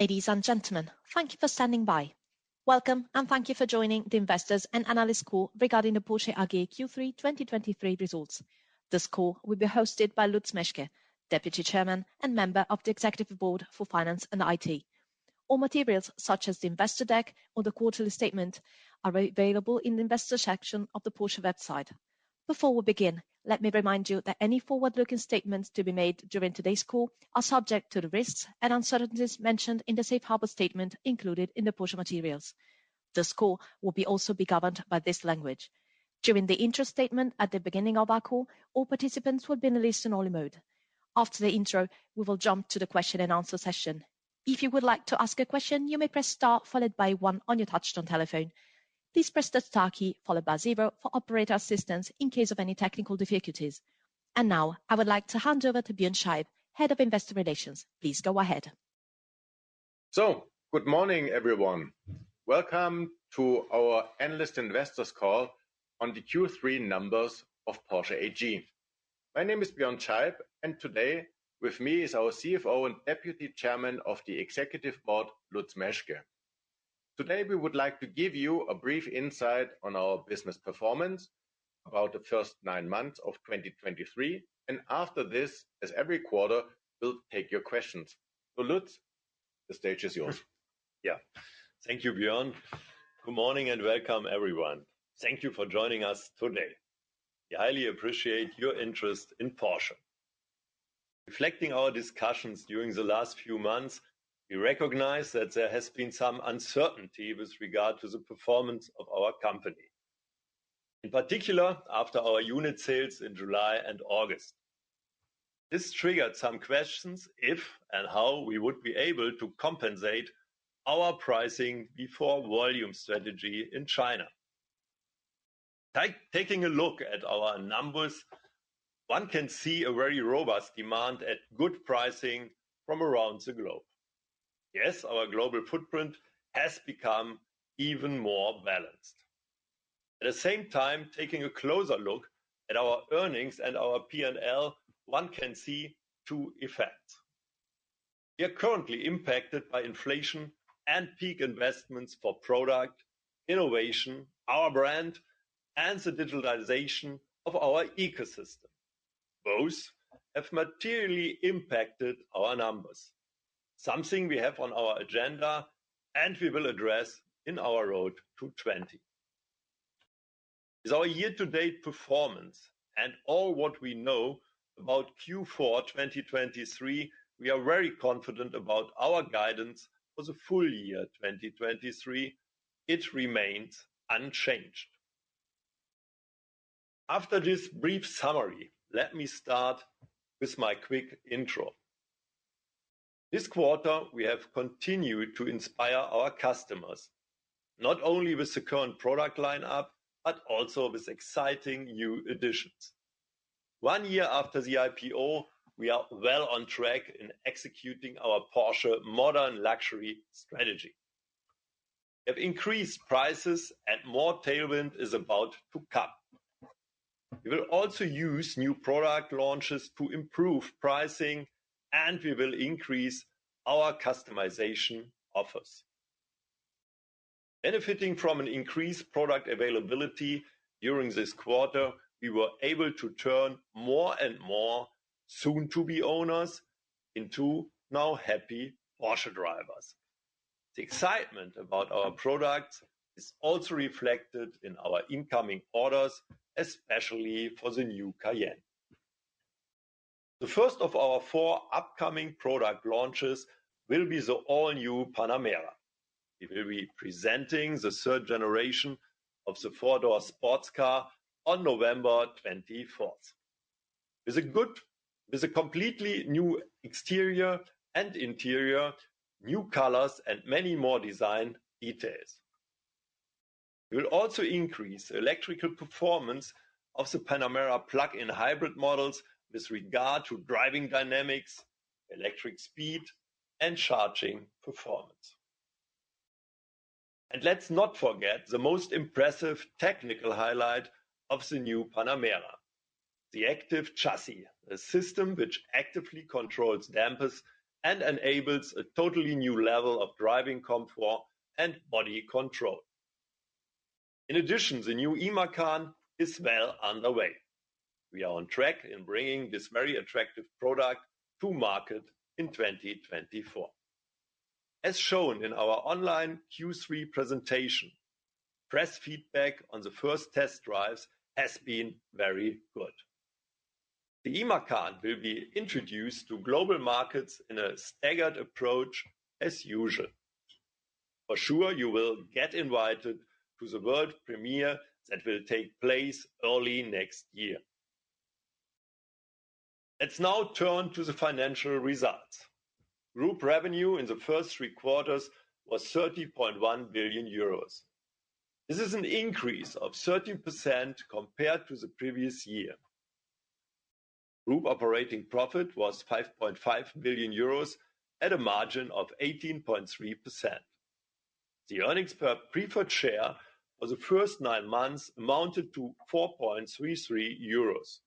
Ladies and gentlemen, thank you for standing by. Welcome, and thank you for joining the investors and analyst call regarding the Porsche AG Q3 2023 results. This call will be hosted by Lutz Meschke, Deputy Chairman and Member of the Executive Board for Finance and IT. All materials, such as the investor deck or the quarterly statement, are available in the investor section of the Porsche website. Before we begin, let me remind you that any forward-looking statements to be made during today's call are subject to the risks and uncertainties mentioned in the safe harbor statement included in the Porsche materials. This call will be also be governed by this language. During the intro statement at the beginning of our call, all participants will be in a listen-only mode. After the intro, we will jump to the question-and-answer session. If you would like to ask a question, you may press star followed by one on your touch-tone telephone. Please press the star key followed by zero for operator assistance in case of any technical difficulties. And now, I would like to hand over to Björn Scheib, Head of Investor Relations. Please go ahead. So good morning, everyone. Welcome to our analyst investors call on the Q3 numbers of Porsche AG. My name is Björn Scheib, and today with me is our CFO and Deputy Chairman of the Executive Board, Lutz Meschke. Today, we would like to give you a brief insight on our business performance about the first nine months of 2023, and after this, as every quarter, we'll take your questions. So, Lutz, the stage is yours. Yeah. Thank you, Björn. Good morning, and welcome, everyone. Thank you for joining us today. We highly appreciate your interest in Porsche. Reflecting our discussions during the last few months, we recognize that there has been some uncertainty with regard to the performance of our company, in particular, after our unit sales in July and August. This triggered some questions if and how we would be able to compensate our pricing before volume strategy in China. Taking a look at our numbers, one can see a very robust demand at good pricing from around the globe. Yes, our global footprint has become even more balanced. At the same time, taking a closer look at our earnings and our P&L, one can see two effects. We are currently impacted by inflation and peak investments for product, innovation, our brand, and the digitalization of our ecosystem. Both have materially impacted our numbers, something we have on our agenda and we will address in our Road to 20. With our year-to-date performance and all what we know about Q4 2023, we are very confident about our guidance for the full year 2023. It remains unchanged. After this brief summary, let me start with my quick intro. This quarter, we have continued to inspire our customers, not only with the current product line-up, but also with exciting new additions. One year after the IPO, we are well on track in executing our Porsche Modern Luxury strategy. We have increased prices, and more tailwind is about to come. We will also use new product launches to improve pricing, and we will increase our customization offers. Benefiting from an increased product availability during this quarter, we were able to turn more and more soon-to-be owners into now happy Porsche drivers. The excitement about our products is also reflected in our incoming orders, especially for the new Cayenne. The first of our four upcoming product launches will be the all-new Panamera. We will be presenting the third generation of the four-door sports car on November 24th. With a completely new exterior and interior, new colors, and many more design details. We will also increase electrical performance of the Panamera plug-in hybrid models with regard to driving dynamics, electric speed, and charging performance. And let's not forget the most impressive technical highlight of the new Panamera, the active chassis, a system which actively controls dampers and enables a totally new level of driving comfort and body control. In addition, the new Macan is well underway. We are on track in bringing this very attractive product to market in 2024. As shown in our online Q3 presentation, press feedback on the first test drives has been very good. The Macan will be introduced to global markets in a staggered approach as usual. For sure, you will get invited to the world premiere that will take place early next year. Let's now turn to the financial results. Group revenue in the first three quarters was 30.1 billion euros. This is an increase of 13% compared to the previous year. Group operating profit was 5.5 billion euros at a margin of 18.3%. The earnings per preferred share for the first nine months amounted to 4.33 euros.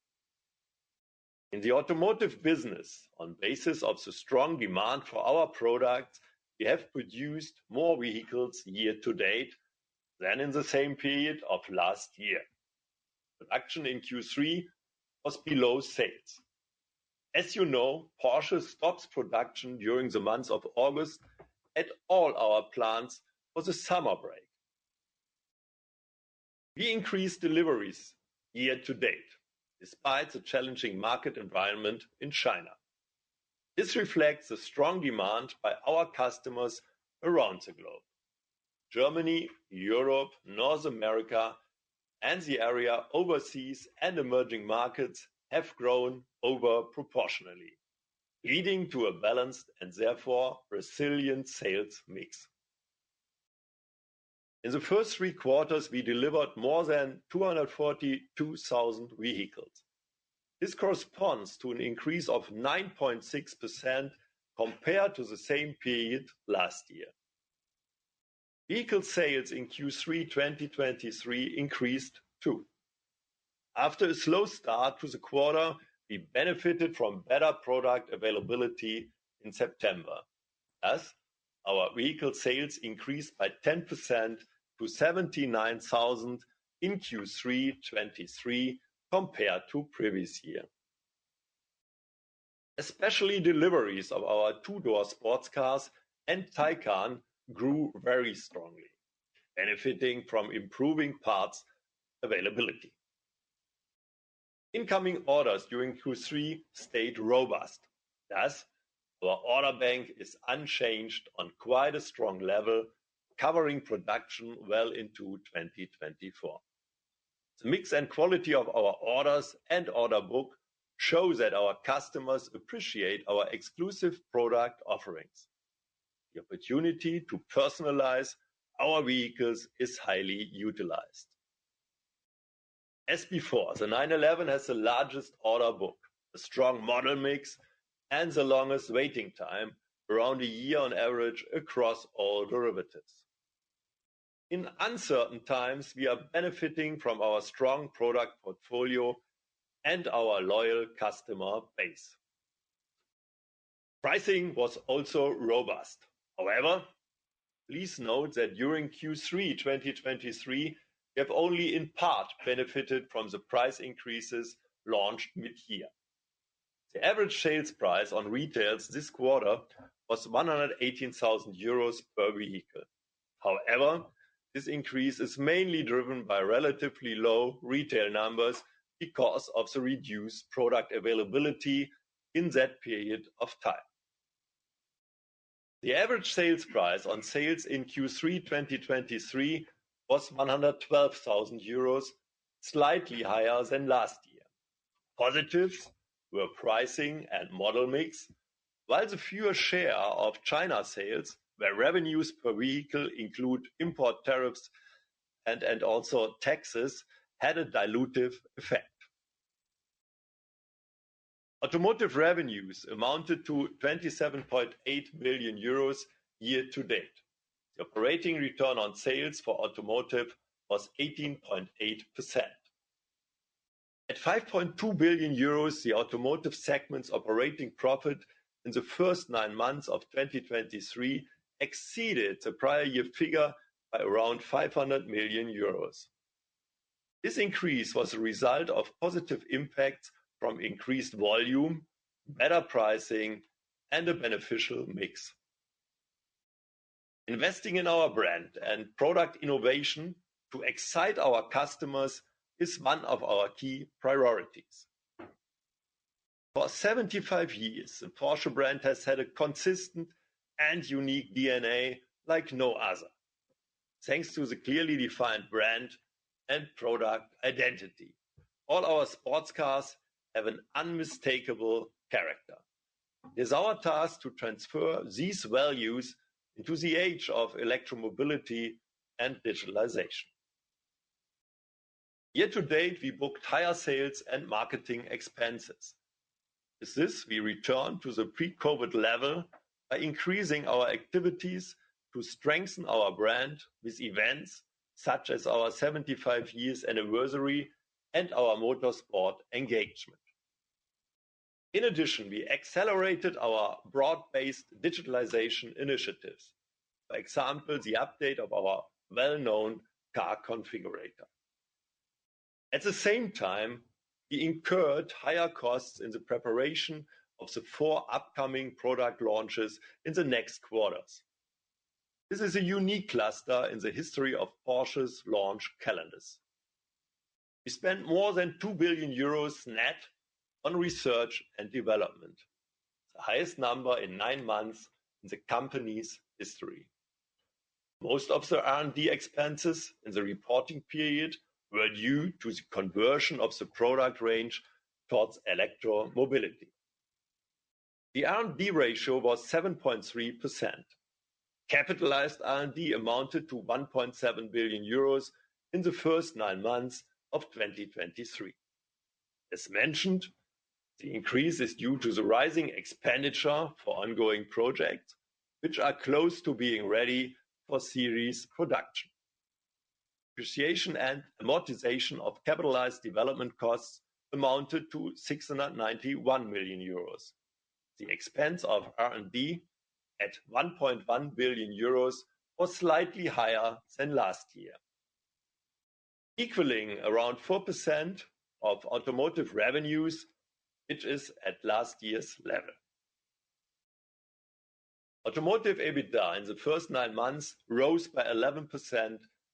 In the automotive business, on basis of the strong demand for our products, we have produced more vehicles year to date than in the same period of last year. Production in Q3 was below sales. As you know, Porsche stops production during the month of August at all our plants for the summer break. We increased deliveries year to date, despite the challenging market environment in China. This reflects the strong demand by our customers around the globe. Germany, Europe, North America, and the area Overseas and Emerging Markets have grown over proportionally, leading to a balanced and therefore resilient sales mix. In the first three quarters, we delivered more than 242,000 vehicles. This corresponds to an increase of 9.6% compared to the same period last year. Vehicle sales in Q3 2023 increased, too. After a slow start to the quarter, we benefited from better product availability in September, as our vehicle sales increased by 10% to 79,000 in Q3 2023, compared to previous year. Especially deliveries of our two-door sports cars and Taycan grew very strongly, benefiting from improving parts availability. Incoming orders during Q3 stayed robust. Thus, our order bank is unchanged on quite a strong level, covering production well into 2024. The mix and quality of our orders and order book show that our customers appreciate our exclusive product offerings. The opportunity to personalize our vehicles is highly utilized. As before, the 911 has the largest order book, a strong model mix, and the longest waiting time, around a year on average, across all derivatives. In uncertain times, we are benefiting from our strong product portfolio and our loyal customer base. Pricing was also robust. However, please note that during Q3 2023, we have only in part benefited from the price increases launched mid-year. The average sales price on retails this quarter was 118,000 euros per vehicle. However, this increase is mainly driven by relatively low retail numbers because of the reduced product availability in that period of time. The average sales price on sales in Q3 2023 was 112,000 euros, slightly higher than last year. Positives were pricing and model mix, while the fewer share of China sales, where revenues per vehicle include import tariffs and also taxes, had a dilutive effect. Automotive revenues amounted to 27.8 billion euros year to date. The operating return on sales for automotive was 18.8%. At 5.2 billion euros, the automotive segment's operating profit in the first nine months of 2023 exceeded the prior year figure by around 500 million euros. This increase was a result of positive impacts from increased volume, better pricing, and a beneficial mix. Investing in our brand and product innovation to excite our customers is one of our key priorities. For 75 years, the Porsche brand has had a consistent and unique DNA like no other. Thanks to the clearly defined brand and product identity, all our sports cars have an unmistakable character. It is our task to transfer these values into the age of electromobility and digitalization. Year to date, we booked higher sales and marketing expenses. With this, we return to the pre-COVID level by increasing our activities to strengthen our brand with events such as our 75 years anniversary and our motorsport engagement. In addition, we accelerated our broad-based digitalization initiatives. For example, the update of our well-known car configurator. At the same time, we incurred higher costs in the preparation of the four upcoming product launches in the next quarters. This is a unique cluster in the history of Porsche's launch calendars. We spent more than 2 billion euros net on research and development, the highest number in nine months in the company's history. Most of the R&D expenses in the reporting period were due to the conversion of the product range towards electromobility. The R&D ratio was 7.3%. Capitalized R&D amounted to 1.7 billion euros in the first nine months of 2023. As mentioned, the increase is due to the rising expenditure for ongoing projects, which are close to being ready for series production. Depreciation and amortization of capitalized development costs amounted to 691 million euros. The expense of R&D at 1.1 billion euros was slightly higher than last year. Equaling around 4% of automotive revenues, it is at last year's level. Automotive EBITDA in the first nine months rose by 11%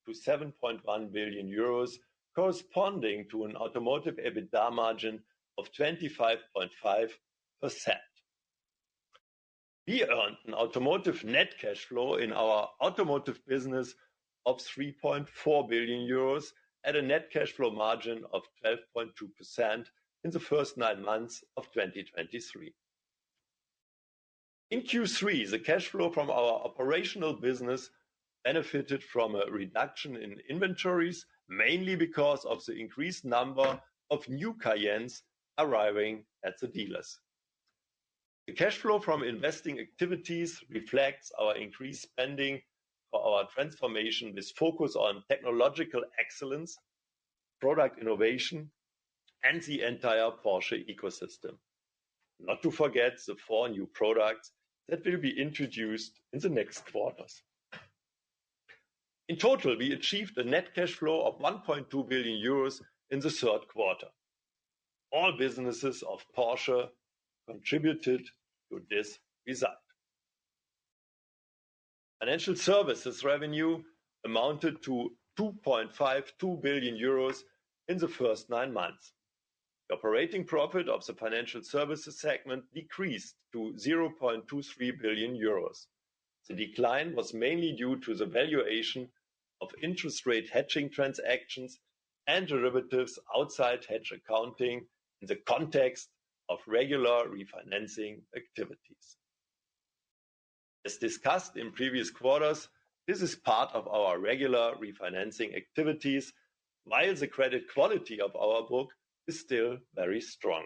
to 7.1 billion euros, corresponding to an automotive EBITDA margin of 25.5%. We earned an automotive net cash flow in our automotive business of 3.4 billion euros at a net cash flow margin of 12.2% in the first nine months of 2023. In Q3, the cash flow from our operational business benefited from a reduction in inventories, mainly because of the increased number of new Cayennes arriving at the dealers. The cash flow from investing activities reflects our increased spending for our transformation, with focus on technological excellence, product innovation, and the entire Porsche ecosystem. Not to forget the four new products that will be introduced in the next quarters. In total, we achieved a net cash flow of 1.2 billion euros in the third quarter. All businesses of Porsche contributed to this result. Financial services revenue amounted to 2.52 billion euros in the first nine months. The operating profit of the financial services segment decreased to 0.23 billion euros. The decline was mainly due to the valuation of interest rate hedging transactions and derivatives outside hedge accounting, in the context of regular refinancing activities. As discussed in previous quarters, this is part of our regular refinancing activities, while the credit quality of our book is still very strong.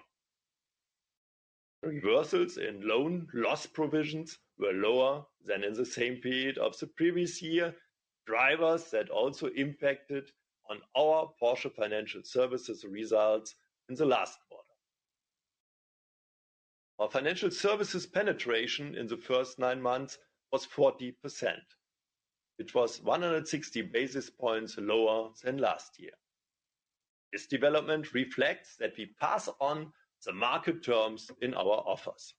Reversals in loan loss provisions were lower than in the same period of the previous year, drivers that also impacted on our Porsche Financial Services results in the last quarter. Our financial services penetration in the first nine months was 40%, which was 160 basis points lower than last year. This development reflects that we pass on the market terms in our offers.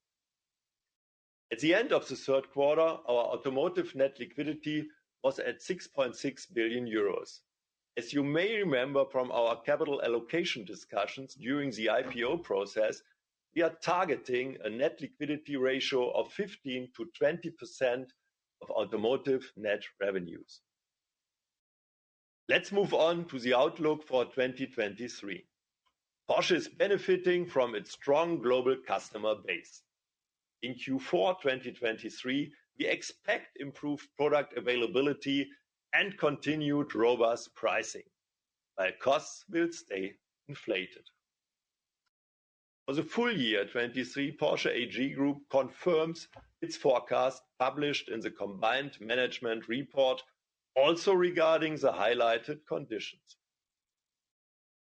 At the end of the third quarter, our automotive net liquidity was at 6.6 billion euros. As you may remember from our capital allocation discussions during the IPO process, we are targeting a net liquidity ratio of 15%-20% of automotive net revenues. Let's move on to the outlook for 2023. Porsche is benefiting from its strong global customer base. In Q4 2023, we expect improved product availability and continued robust pricing, while costs will stay inflated. For the full year 2023, Porsche AG Group confirms its forecast, published in the combined management report, also regarding the highlighted conditions.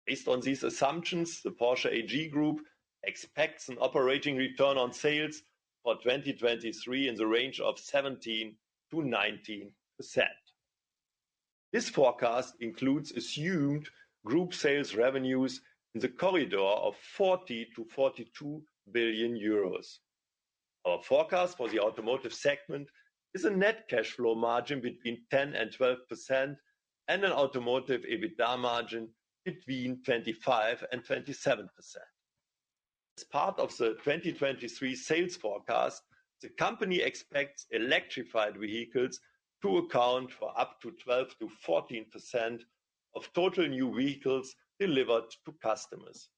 Based on these assumptions, the Porsche AG Group expects an operating return on sales for 2023 in the range of 17%-19%. This forecast includes assumed group sales revenues in the corridor of 40 billion-42 billion euros. Our forecast for the automotive segment is a net cash flow margin between 10%-12%, and an automotive EBITDA margin between 25%-27%. As part of the 2023 sales forecast, the company expects electrified vehicles to account for up to 12%-14% of total new vehicles delivered to customers.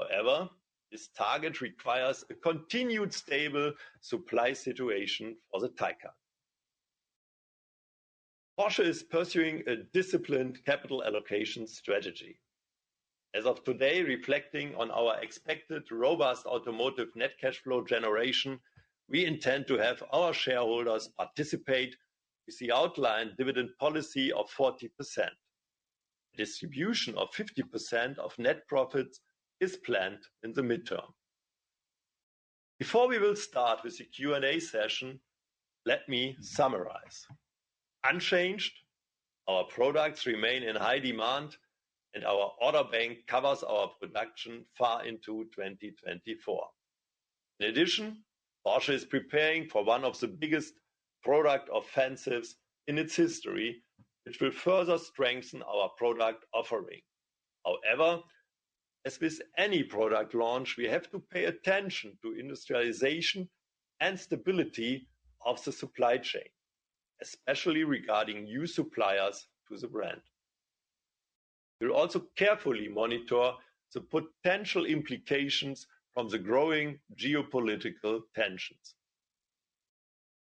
However, this target requires a continued stable supply situation for the Taycan. Porsche is pursuing a disciplined capital allocation strategy. As of today, reflecting on our expected robust automotive net cash flow generation, we intend to have our shareholders participate with the outlined dividend policy of 40%. Distribution of 50% of net profits is planned in the midterm. Before we will start with the Q&A session, let me summarize. Unchanged, our products remain in high demand, and our order bank covers our production far into 2024. In addition, Porsche is preparing for one of the biggest product offensives in its history, which will further strengthen our product offering. However, as with any product launch, we have to pay attention to industrialization and stability of the supply chain, especially regarding new suppliers to the brand. We'll also carefully monitor the potential implications from the growing geopolitical tensions.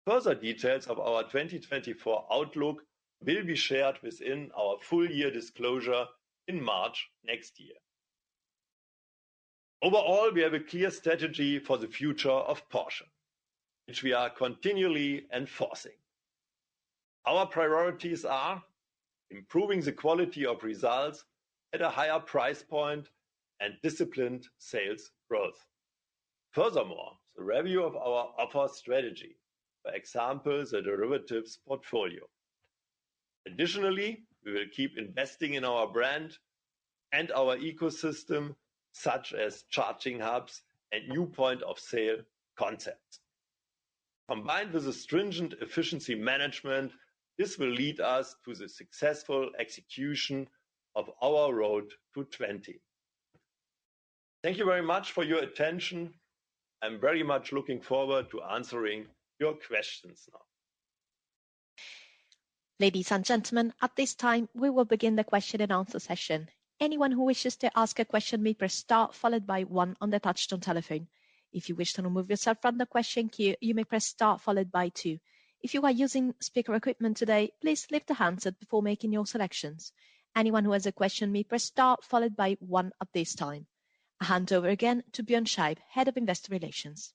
Further details of our 2024 outlook will be shared within our full year disclosure in March next year. Overall, we have a clear strategy for the future of Porsche, which we are continually enforcing. Our priorities are: improving the quality of results at a higher price point and disciplined sales growth. Furthermore, the review of our offer strategy, for example, the derivatives portfolio. Additionally, we will keep investing in our brand and our ecosystem, such as charging hubs and new point of sale concept. Combined with a stringent efficiency management, this will lead us to the successful execution of our Road to 20. Thank you very much for your attention. I'm very much looking forward to answering your questions now. Ladies and gentlemen, at this time, we will begin the question-and-answer session. Anyone who wishes to ask a question may press star followed by one on the touch-tone telephone. If you wish to remove yourself from the question queue, you may press star followed by two. If you are using speaker equipment today, please lift the handset before making your selections. Anyone who has a question may press star followed by one at this time. I hand over again to Björn Scheib, Head of Investor Relations.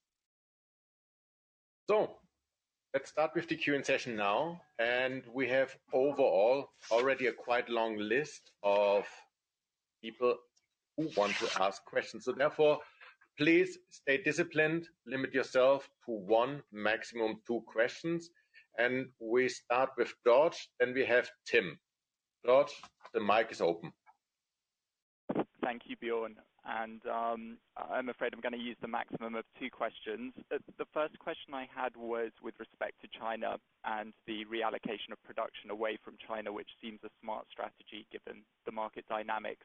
Let's start with the Q&A session now, and we have overall already a quite long list of people who want to ask questions. Therefore, please stay disciplined, limit yourself to one, maximum two questions, and we start with George, then we have Tim. George, the mic is open. Thank you, Björn, and, I'm afraid I'm gonna use the maximum of two questions. The first question I had was with respect to China and the reallocation of production away from China, which seems a smart strategy given the market dynamics.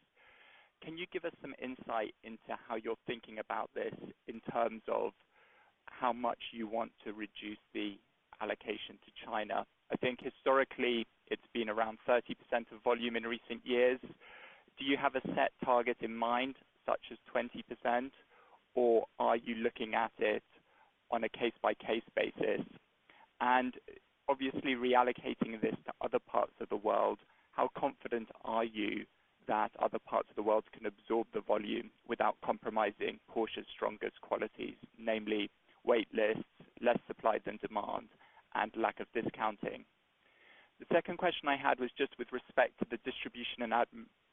Can you give us some insight into how you're thinking about this in terms of how much you want to reduce the allocation to China? I think historically, it's been around 30% of volume in recent years. Do you have a set target in mind, such as 20%, or are you looking at it on a case-by-case basis? And obviously, reallocating this to other parts of the world, how confident are you that other parts of the world can absorb the volume without compromising Porsche's strongest qualities, namely wait lists, less supply than demand, and lack of discounting? The second question I had was just with respect to the distribution and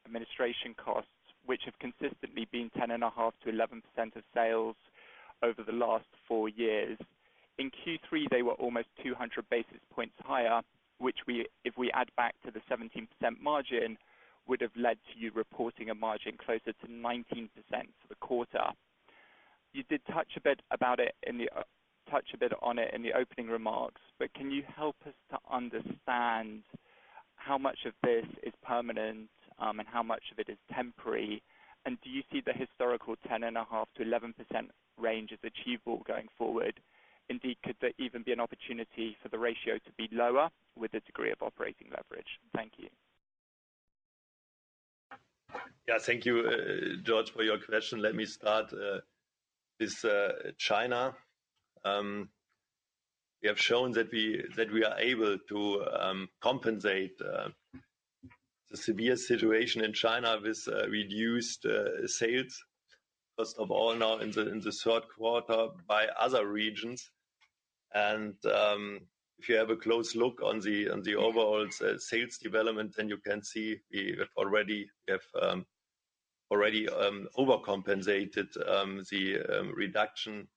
administration costs, which have consistently been 10.5%-11% of sales over the last four years. In Q3, they were almost 200 basis points higher, which if we add back to the 17% margin, would have led to you reporting a margin closer to 19% for the quarter. You did touch a bit on it in the opening remarks, but can you help us to understand how much of this is permanent, and how much of it is temporary? And do you see the historical 10.5%-11% range as achievable going forward? Indeed, could there even be an opportunity for the ratio to be lower with a degree of operating leverage? Thank you. Yeah, thank you, George, for your question. Let me start with China. We have shown that we, that we are able to compensate the severe situation in China with reduced sales, first of all, now in the third quarter by other regions. And if you have a close look on the overall sales development, then you can see we have already overcompensated the reduction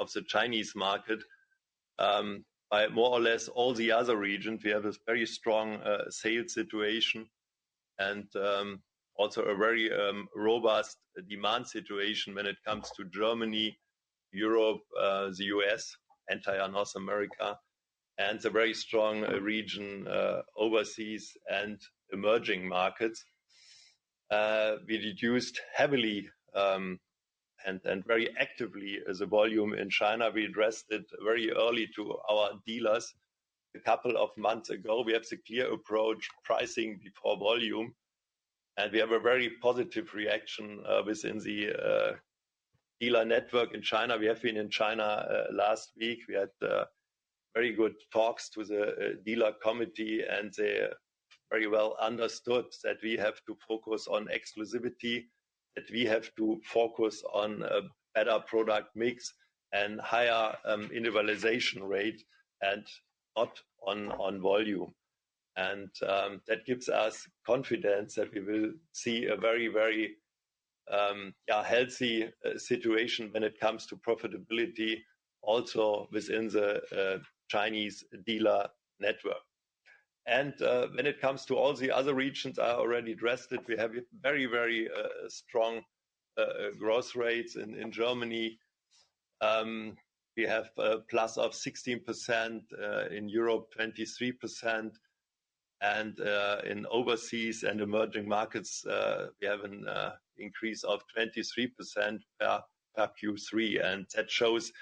of the Chinese market by more or less all the other regions. We have a very strong sales situation and also a very robust demand situation when it comes to Germany, Europe, the U.S., entire North America, and the very strong region overseas and emerging markets. We reduced heavily, and very actively as a volume in China. We addressed it very early to our dealers a couple of months ago. We have the clear approach, pricing before volume, and we have a very positive reaction within the dealer network in China. We have been in China last week. We had very good talks with the dealer committee, and they very well understood that we have to focus on exclusivity, that we have to focus on better product mix and higher individualization rate and not on volume. And that gives us confidence that we will see a very, very healthy situation when it comes to profitability also within the Chinese dealer network. And when it comes to all the other regions, I already addressed it. We have a very, very strong growth rates in Germany. We have a plus of 16% in Europe, 23%, and in Overseas and Emerging Markets, we have an increase of 23% Q3. And that shows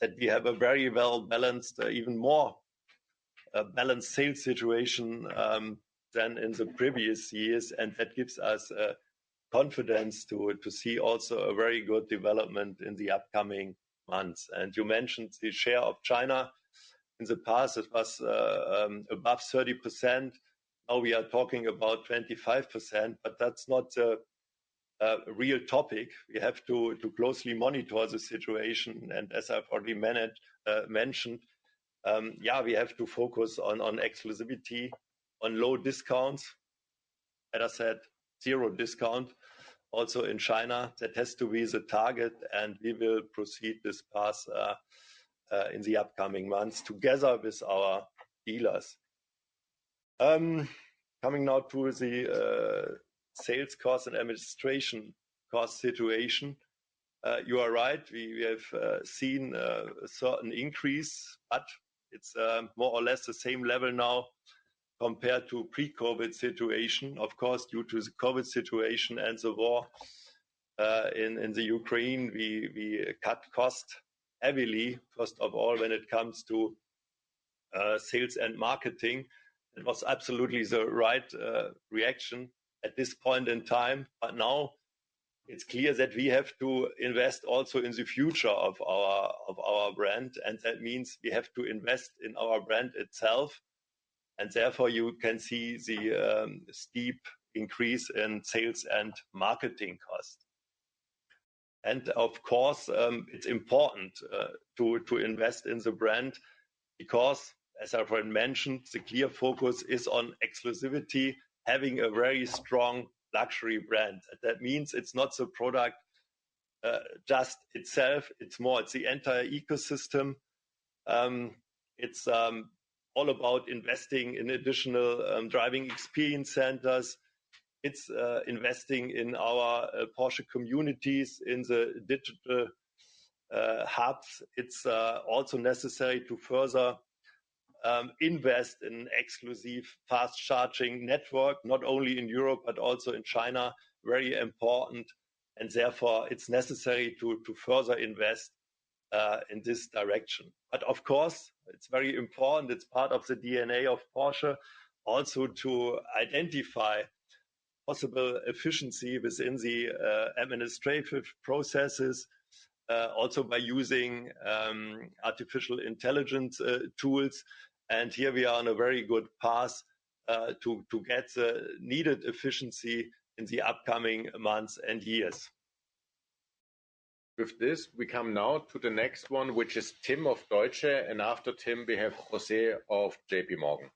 that we have a very well-balanced, even more balanced sales situation than in the previous years, and that gives us confidence to see also a very good development in the upcoming months. And you mentioned the share of China. In the past, it was above 30%, now we are talking about 25%, but that's not a real topic. We have to closely monitor the situation, and as I've already mentioned, we have to focus on exclusivity, on low discounts. As I said, zero discount. Also in China, that has to be the target, and we will proceed this path in the upcoming months, together with our dealers. Coming now to the sales cost and administration cost situation. You are right, we have seen a certain increase, but it's more or less the same level now compared to pre-COVID situation. Of course, due to the COVID situation and the war in the Ukraine, we cut costs heavily, first of all, when it comes to sales and marketing. It was absolutely the right reaction at this point in time. But now it's clear that we have to invest also in the future of our brand, and that means we have to invest in our brand itself, and therefore, you can see the steep increase in sales and marketing costs. And of course, it's important to invest in the brand because, as I've already mentioned, the clear focus is on exclusivity, having a very strong luxury brand. That means it's not the product just itself, it's more, it's the entire ecosystem. It's all about investing in additional driving experience centers. It's investing in our Porsche communities, in the digital hubs. It's also necessary to further invest in exclusive fast-charging network, not only in Europe, but also in China, very important, and therefore it's necessary to further invest in this direction. But of course, it's very important, it's part of the DNA of Porsche also to identify possible efficiency within the administrative processes also by using artificial intelligence tools. Here we are on a very good path to get the needed efficiency in the upcoming months and years. With this, we come now to the next one, which is Tim of Deutsche, and after Tim, we have José of JPMorgan.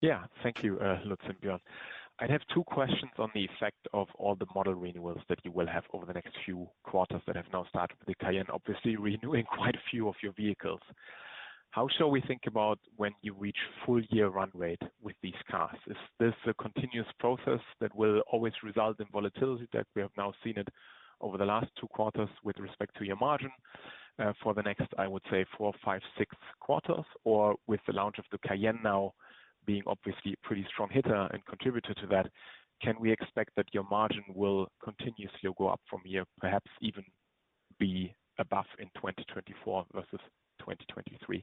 Yeah. Thank you, Lutz and Björn. I'd have two questions on the effect of all the model renewals that you will have over the next few quarters, that have now started with the Cayenne, obviously, renewing quite a few of your vehicles. How shall we think about when you reach full year run rate with these cars? Is this a continuous process that will always result in volatility, that we have now seen it over the last two quarters with respect to your margin, for the next, I would say, four, five, six quarters? Or with the launch of the Cayenne now being obviously a pretty strong hitter and contributor to that, can we expect that your margin will continuously go up from here, perhaps even be above in 2024 versus 2023?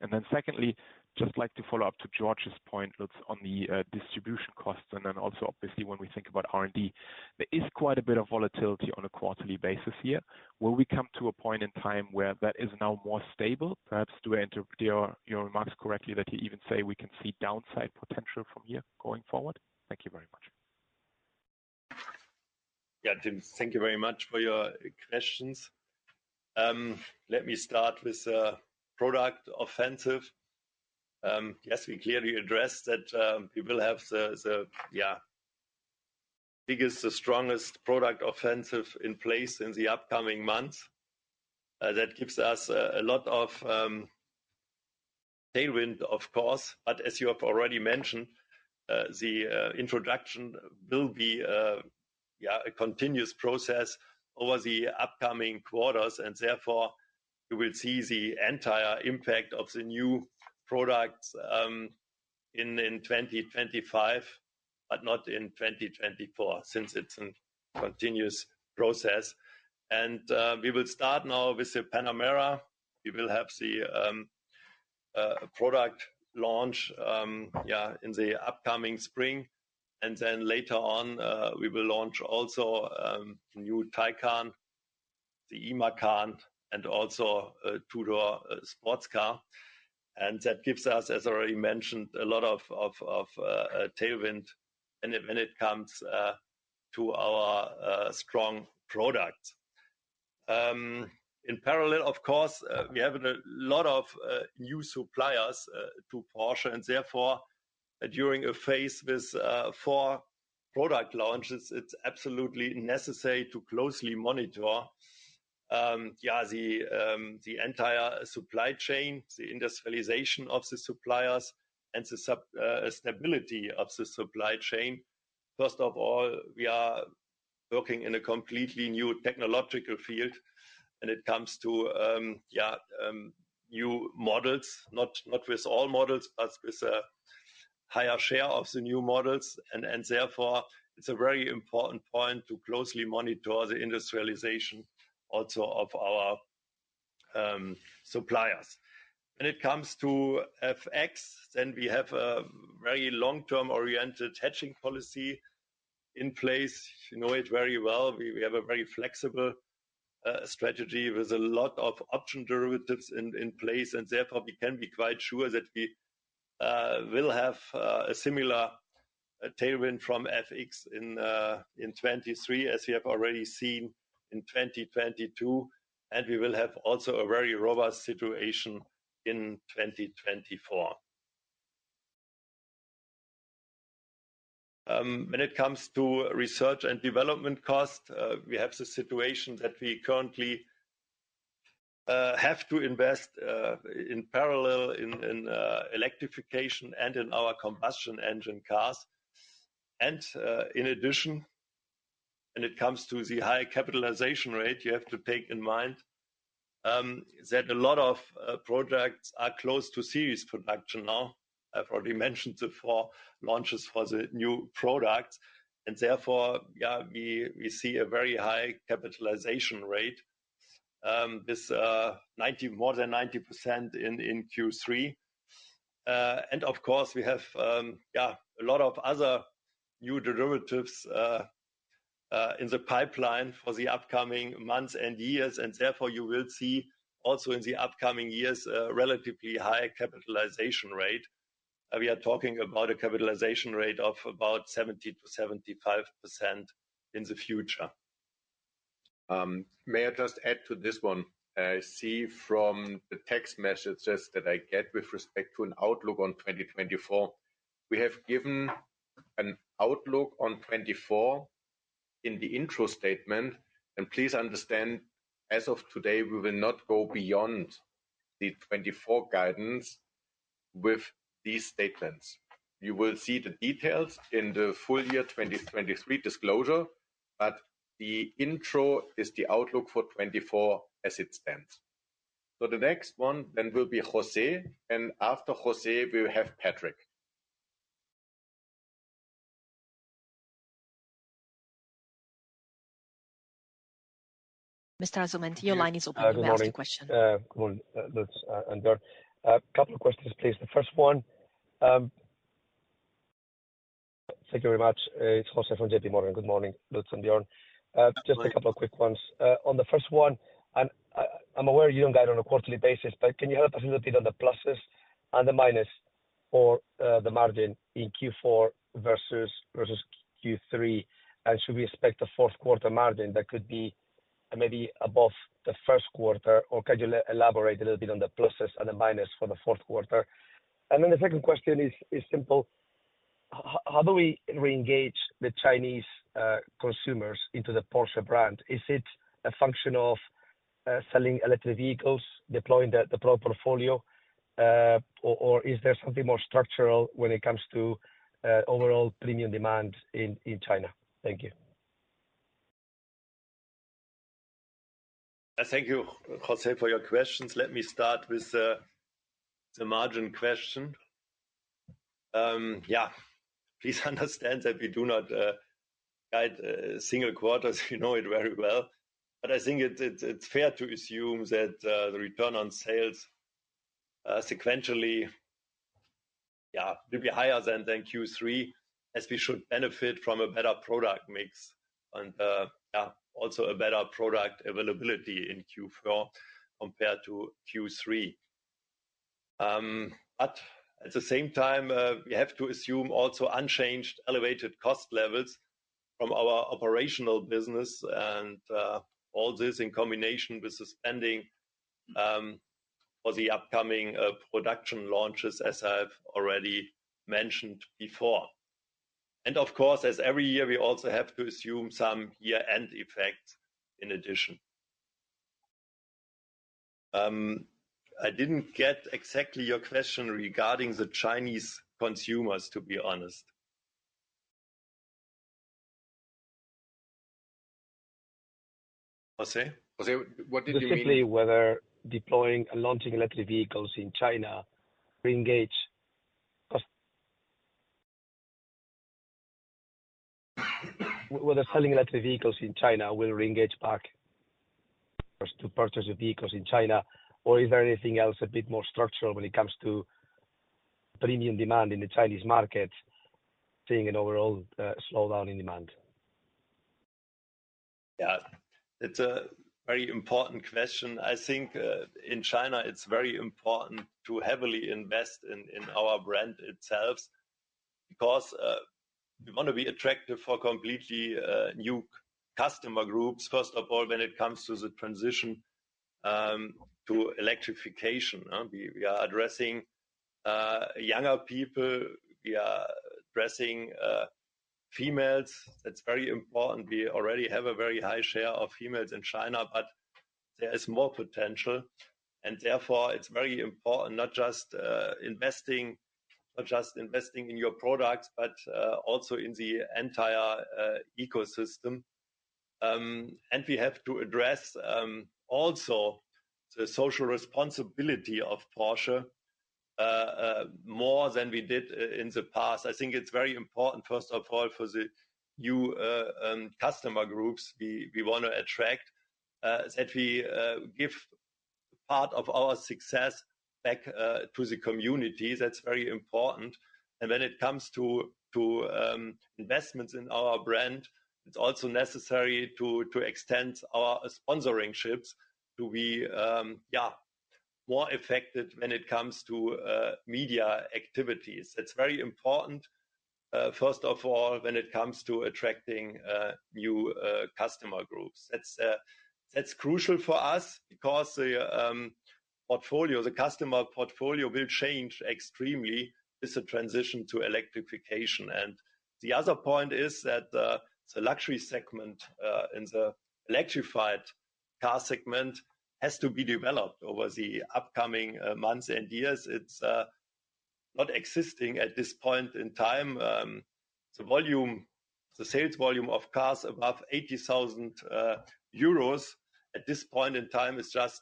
And then secondly, just like to follow up to George's point, Lutz, on the distribution costs, and then also, obviously, when we think about R&D, there is quite a bit of volatility on a quarterly basis here. Will we come to a point in time where that is now more stable? Perhaps, do I interpret your remarks correctly, that you even say we can see downside potential from here going forward? Thank you very much. Yeah, Tim, thank you very much for your questions. Let me start with the product offensive. Yes, we clearly addressed that, we will have the biggest and strongest product offensive in place in the upcoming months. That gives us a lot of tailwind, of course, but as you have already mentioned, the introduction will be a continuous process over the upcoming quarters, and therefore, we will see the entire impact of the new products in 2025, but not in 2024, since it's a continuous process. We will start now with the Panamera. We will have the product launch in the upcoming spring, and then later on, we will launch also new Taycan, the Macan, and also a two-door sports car. And that gives us, as already mentioned, a lot of tailwind when it comes to our strong products. In parallel, of course, we have a lot of new suppliers to Porsche, and therefore, during a phase with four product launches, it's absolutely necessary to closely monitor the entire supply chain, the industrialization of the suppliers, and the stability of the supply chain. First of all, we are working in a completely new technological field when it comes to new models, not with all models, but with a higher share of the new models. And therefore, it's a very important point to closely monitor the industrialization also of our suppliers. When it comes to FX, then we have a very long-term-oriented hedging policy in place, you know it very well. We, we have a very flexible strategy with a lot of option derivatives in place, and therefore, we can be quite sure that we will have a similar tailwind from FX in 2023, as we have already seen in 2022, and we will have also a very robust situation in 2024. When it comes to research and development costs, we have the situation that we currently have to invest in parallel in electrification and in our combustion engine cars. And in addition, when it comes to the high capitalization rate, you have to take in mind that a lot of projects are close to series production now. I've already mentioned the four launches for the new products, and therefore, yeah, we see a very high capitalization rate, this more than 90% in Q3. And of course, we have, yeah, a lot of other new derivatives in the pipeline for the upcoming months and years, and therefore you will see also in the upcoming years, a relatively high capitalization rate. We are talking about a capitalization rate of about 70%-75% in the future. May I just add to this one? I see from the text messages that I get with respect to an outlook on 2024, we have given an outlook on 2024 in the intro statement, and please understand, as of today, we will not go beyond the 2024 guidance with these statements. You will see the details in the full year 2023 disclosure, but the intro is the outlook for 2024 as it stands. So the next one then will be José, and after José, we will have Patrick. Mr. Asumendi, your line is open to ask a question. Good morning, Björn. A couple of questions, please. The first one, thank you very much. It's José from JPMorgan. Good morning, Lutz and Björn. Good morning. Just a couple of quick ones. On the first one, and I, I'm aware you don't guide on a quarterly basis, but can you help us a little bit on the pluses and the minus for the margin in Q4 versus Q3? And should we expect a fourth quarter margin that could be maybe above the first quarter, or can you elaborate a little bit on the pluses and the minus for the fourth quarter? And then the second question is simple. How do we reengage the Chinese consumers into the Porsche brand? Is it a function of selling electric vehicles, deploying the product portfolio, or is there something more structural when it comes to overall premium demand in China? Thank you. Thank you, José, for your questions. Let me start with the margin question. Yeah, please understand that we do not guide single quarters, you know it very well, but I think it's fair to assume that the return on sales sequentially will be higher than Q3, as we should benefit from a better product mix and yeah, also a better product availability in Q4 compared to Q3. But at the same time, we have to assume also unchanged, elevated cost levels from our operational business, and all this in combination with the spending for the upcoming production launches, as I've already mentioned before. And of course, as every year, we also have to assume some year-end effect in addition. I didn't get exactly your question regarding the Chinese consumers, to be honest. José? José, what did you mean? Whether selling electric vehicles in China will reengage back for us to purchase the vehicles in China, or is there anything else a bit more structural when it comes to premium demand in the Chinese market, seeing an overall slowdown in demand? Yeah, it's a very important question. I think, in China, it's very important to heavily invest in our brand itself, because we want to be attractive for completely new customer groups. First of all, when it comes to the transition to electrification, we are addressing younger people, we are addressing females. That's very important. We already have a very high share of females in China, but there is more potential, and therefore, it's very important, not just investing, or just investing in your products, but also in the entire ecosystem. And we have to address also the social responsibility of Porsche more than we did in the past. I think it's very important, first of all, for the new customer groups we want to attract, that we give part of our success back to the community, that's very important. And when it comes to investments in our brand, it's also necessary to extend our sponsorships to be, yeah, more effective when it comes to media activities. It's very important, first of all, when it comes to attracting new customer groups. That's that's crucial for us because the portfolio, the customer portfolio will change extremely with the transition to electrification. And the other point is that the luxury segment in the electrified car segment has to be developed over the upcoming months and years. It's not existing at this point in time. The volume, the sales volume of cars above 80,000 euros at this point in time is just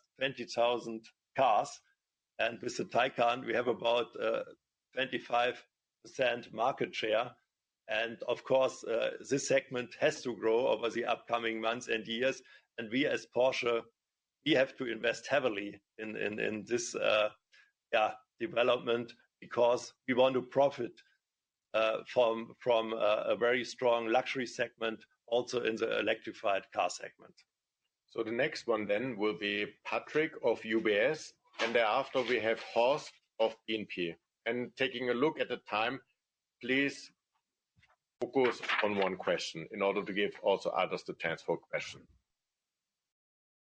20,000 cars, and with the Taycan, we have about 25% market share. Of course, this segment has to grow over the upcoming months and years, and we as Porsche, we have to invest heavily in this, yeah, development because we want to profit from a very strong luxury segment, also in the electrified car segment. The next one then will be Patrick of UBS, and thereafter we have Horst of Bank of America. Taking a look at the time, please focus on one question in order to give also others the chance for a question.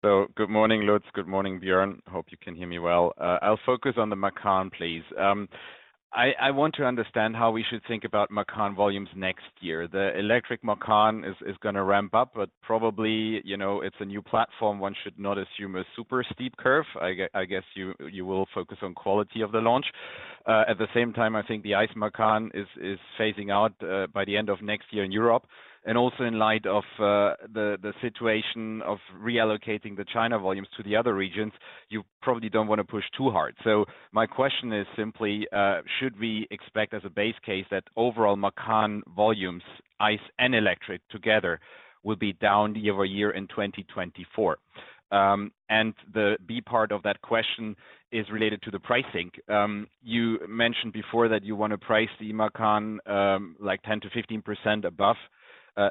Good morning, Lutz. Good morning, Björn. Hope you can hear me well. I'll focus on the Macan, please. I want to understand how we should think about Macan volumes next year. The electric Macan is gonna ramp up, but probably, you know, it's a new platform. One should not assume a super steep curve. I guess you will focus on quality of the launch. At the same time, I think the ICE Macan is phasing out by the end of next year in Europe. Also, in light of the situation of reallocating the China volumes to the other regions, you probably don't want to push too hard. So my question is simply, should we expect as a base case that overall Macan volumes, ICE and electric together, will be down year over year in 2024? And the b part of that question is related to the pricing. You mentioned before that you want to price the Macan, like, 10%-15% above,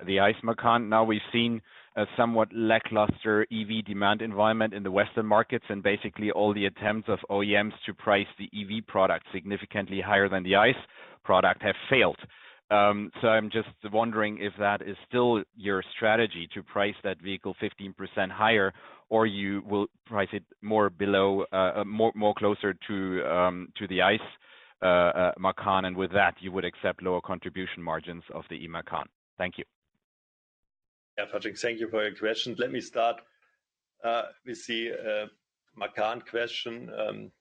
the ICE Macan. Now, we've seen a somewhat lackluster EV demand environment in the Western markets, and basically, all the attempts of OEMs to price the EV product significantly higher than the ICE product have failed. So I'm just wondering if that is still your strategy to price that vehicle 15% higher, or you will price it more below, more closer to, to the ICE, Macan, and with that, you would accept lower contribution margins of the e-Macan. Thank you. Yeah, Patrick, thank you for your question. Let me start with the Macan question.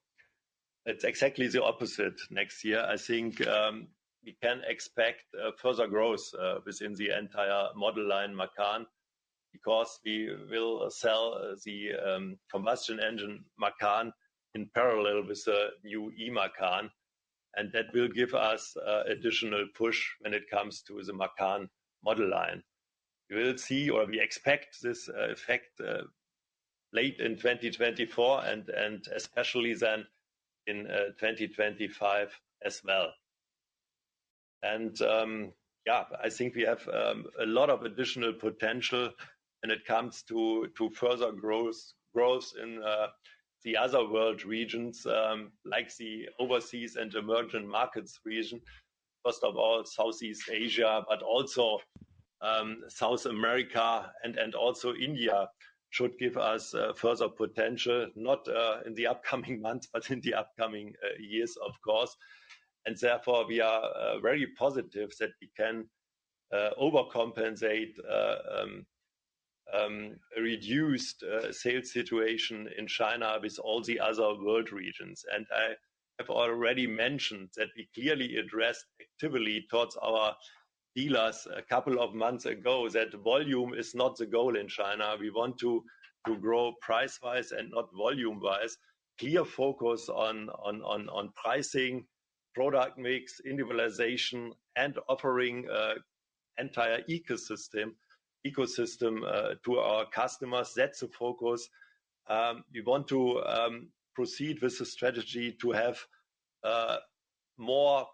It's exactly the opposite next year. I think we can expect further growth within the entire model line Macan because we will sell the combustion engine Macan in parallel with the new e-Macan, and that will give us additional push when it comes to the Macan model line. We will see or we expect this effect late in 2024 and especially then in 2025 as well. Yeah, I think we have a lot of additional potential when it comes to further growth in the other world regions like the Overseas and Emerging Markets region. First of all, Southeast Asia, but also South America and also India, should give us further potential, not in the upcoming months, but in the upcoming years, of course. And therefore, we are very positive that we can overcompensate a reduced sales situation in China with all the other world regions. And I have already mentioned that we clearly addressed actively towards our dealers a couple of months ago, that volume is not the goal in China. We want to grow price-wise and not volume-wise. Clear focus on pricing, product mix, individualization, and offering an entire ecosystem to our customers. That's the focus. We want to proceed with the strategy to have more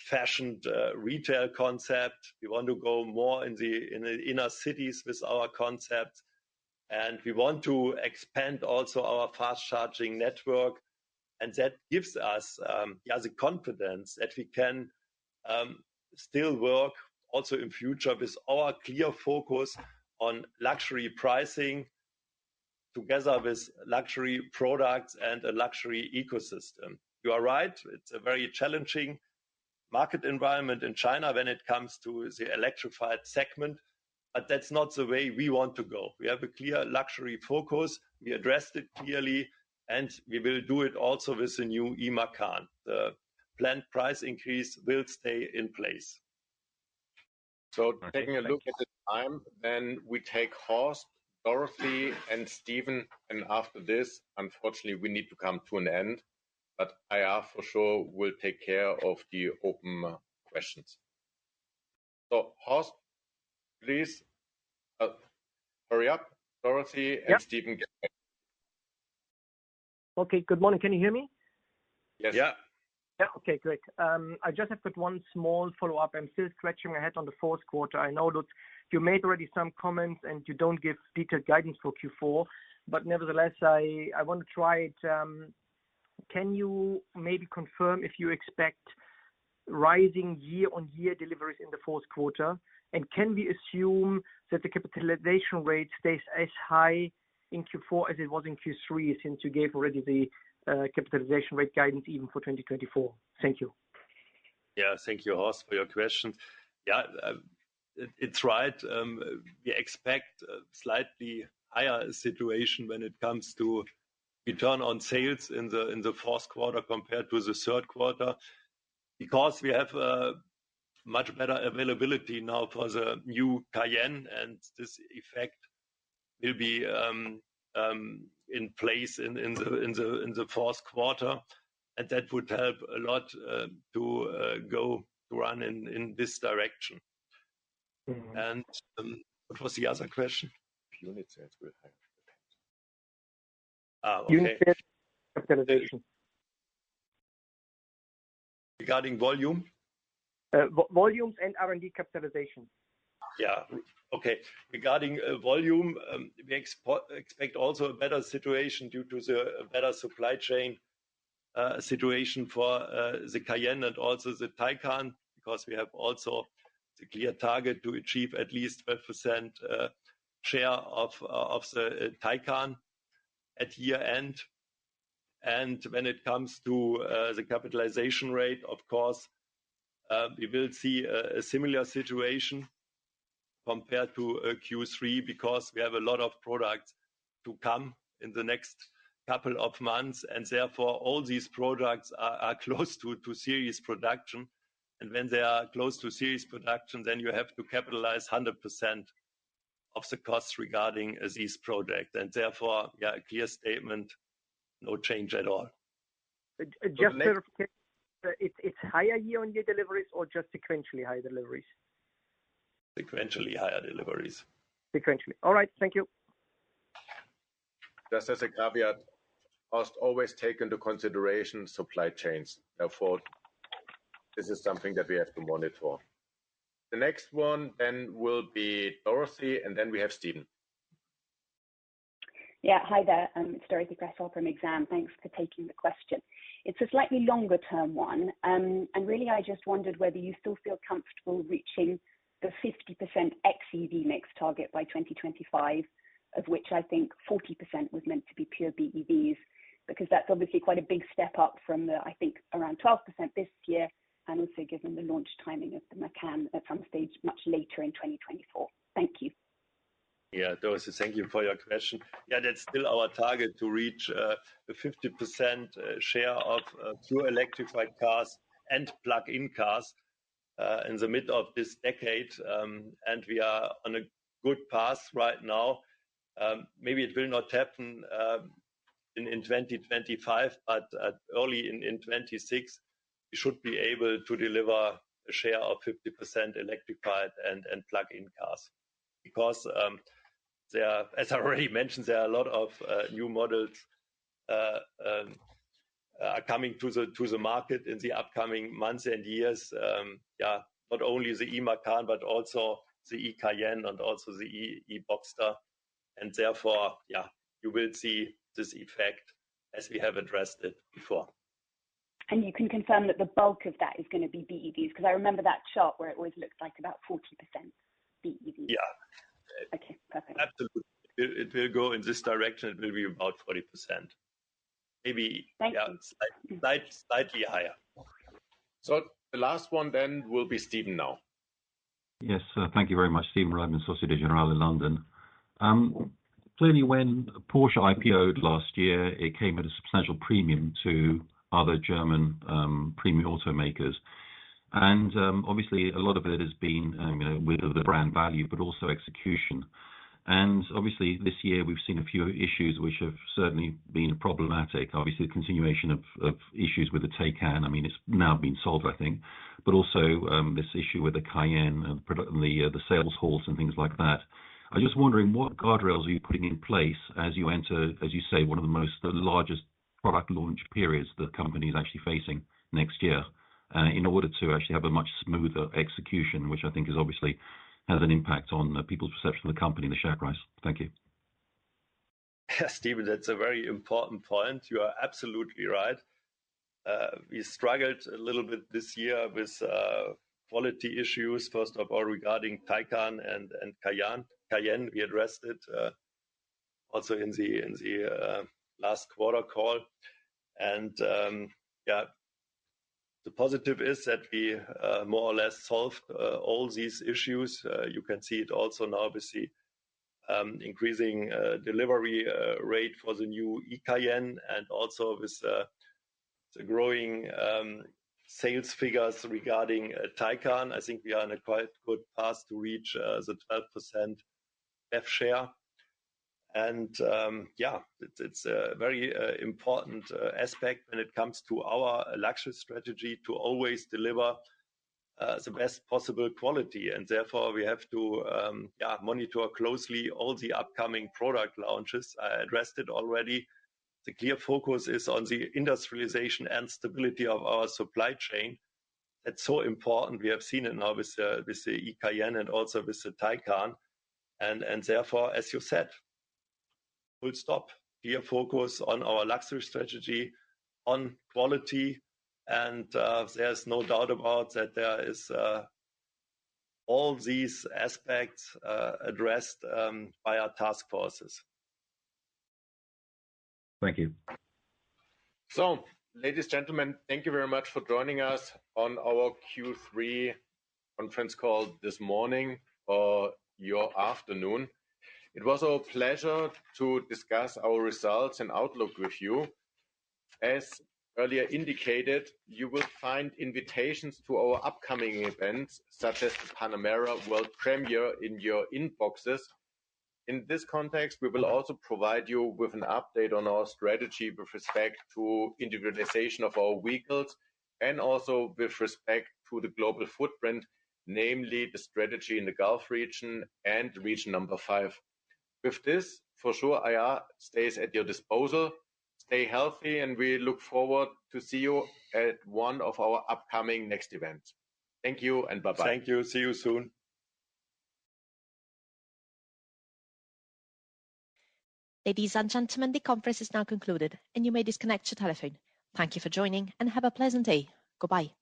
fashioned retail concept. We want to go more in the inner cities with our concept, and we want to expand also our fast-charging network. And that gives us, yeah, the confidence that we can, still work also in future with our clear focus on luxury pricing together with luxury products and a luxury ecosystem. You are right, it's a very challenging market environment in China when it comes to the electrified segment, but that's not the way we want to go. We have a clear luxury focus. We addressed it clearly, and we will do it also with the new e-Macan. The planned price increase will stay in place. So taking a look at the time, then we take Horst, Dorothee, and Stephen, and after this, unfortunately, we need to come to an end, but I'm for sure will take care of the open questions. So Horst, please, hurry up. Dorothy and Stephen. Okay, good morning. Can you hear me? Yes. Yeah. Yeah? Okay, great. I just have got one small follow-up. I'm still scratching my head on the fourth quarter. I know that you made already some comments, and you don't give detailed guidance for Q4, but nevertheless, I want to try it. Can you maybe confirm if you expect rising year-on-year deliveries in the fourth quarter? And can we assume that the capitalization rate stays as high in Q4 as it was in Q3, since you gave already the capitalization rate guidance even for 2024? Thank you. Yeah. Thank you, Horst, for your question. Yeah, it's right. We expect a slightly higher situation when it comes to Return on Sales in the fourth quarter compared to the third quarter, because we have a much better availability now for the new Cayenne, and this effect will be in place in the fourth quarter, and that would help a lot to go to run in this direction. Mm-hmm. And, what was the other question? Unit sales will high. Ah, okay. Unit sales capitalization. Regarding volume? Volumes and R&D capitalization. Yeah. Okay. Regarding volume, we expect also a better situation due to the better supply chain situation for the Cayenne and also the Taycan, because we have also the clear target to achieve at least 12% share of the Taycan at year-end. When it comes to the capitalization rate, of course, we will see a similar situation compared to Q3, because we have a lot of products to come in the next couple of months, and therefore all these products are close to series production. When they are close to series production, then you have to capitalize 100% of the costs regarding this project and therefore, yeah, a clear statement, no change at all. Just to clarify, it's higher year-on-year deliveries or just sequentially higher deliveries? Sequentially higher deliveries. Sequentially. All right. Thank you. Just as a caveat, Horst, always take into consideration supply chains. Therefore, this is something that we have to monitor for. The next one then will be Dorothee, and then we have Stephen. Yeah, hi there. It's Dorothee Cresswell from Exane. Thanks for taking the question. It's a slightly longer-term one. And really, I just wondered whether you still feel comfortable reaching the 50% xEV mix target by 2025, of which I think 40% was meant to be pure BEVs, because that's obviously quite a big step up from the, I think, around 12% this year, and also given the launch timing of the Macan at some stage much later in 2024. Thank you. Yeah, Dorothy, thank you for your question. Yeah, that's still our target, to reach a 50% share of pure electrified cars and plug-in cars in the mid of this decade, and we are on a good path right now. Maybe it will not happen in 2025, but early in 2026, we should be able to deliver a share of 50% electrified and plug-in cars. Because, as I already mentioned, there are a lot of new models coming to the market in the upcoming months and years. Yeah, not only the e-Macan, but also the e-Cayenne and also the e-Boxster. And therefore, yeah, you will see this effect as we have addressed it before. You can confirm that the bulk of that is gonna be BEVs? Because I remember that chart where it always looked like about 40% BEVs. Yeah. Okay, perfect. Absolutely. It will go in this direction. It will be about 40%. Maybe. Thank you. Yeah, slightly higher. So the last one then will be Stephen now. Yes, thank you very much. Stephen Reitman, Société Générale, London. Clearly, when Porsche IPO'd last year, it came at a substantial premium to other German premium automakers. Obviously, a lot of it has been, you know, with the brand value, but also execution. Obviously, this year we've seen a few issues which have certainly been problematic. Obviously, the continuation of issues with the Taycan, I mean, it's now been solved, I think. But also, this issue with the Cayenne and the sales halt and things like that. I'm just wondering, what guardrails are you putting in place as you enter, as you say, one of the most, the largest product launch periods the company is actually facing next year, in order to actually have a much smoother execution, which I think is obviously has an impact on people's perception of the company and the share price? Thank you. Stephen, that's a very important point. You are absolutely right. We struggled a little bit this year with quality issues, first of all, regarding Taycan and Cayenne. Cayenne, we addressed it also in the last quarter call. And, yeah, the positive is that we more or less solved all these issues. You can see it also now, obviously, increasing delivery rate for the new Cayenne and also with the growing sales figures regarding Taycan. I think we are on a quite good path to reach the 12% EV share. And, yeah, it's a very important aspect when it comes to our luxury strategy to always deliver the best possible quality, and therefore, we have to monitor closely all the upcoming product launches. I addressed it already. The clear focus is on the industrialization and stability of our supply chain. That's so important. We have seen it now with the Cayenne and also with the Taycan, and therefore, as you said, full stop. Clear focus on our luxury strategy, on quality, and there's no doubt about that there is all these aspects addressed by our task forces. Thank you. Ladies and gentlemen, thank you very much for joining us on our Q3 conference call this morning, or your afternoon. It was our pleasure to discuss our results and outlook with you. As earlier indicated, you will find invitations to our upcoming events, such as the Panamera World Premiere, in your inboxes. In this context, we will also provide you with an update on our strategy with respect to individualization of our vehicles, and also with respect to the global footprint, namely the strategy in the Gulf region and Region 5. With this, for sure, IR stays at your disposal. Stay healthy, and we look forward to see you at one of our upcoming next events. Thank you and bye-bye. Thank you. See you soon. Ladies and gentlemen, the conference is now concluded, and you may disconnect your telephone. Thank you for joining, and have a pleasant day. Goodbye.